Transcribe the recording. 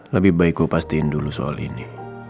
lebih baik ku pastiin dulu soal ini